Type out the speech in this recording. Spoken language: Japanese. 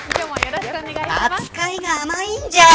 扱いが甘いんじゃい。